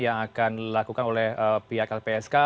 yang akan dilakukan oleh pihak lpsk